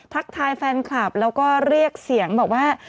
ทักทายแฟนคลับแล้วก็เรียกเสียงบอกว่า